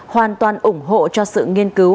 hoàn toàn ủng hộ cho sự nghiên cứu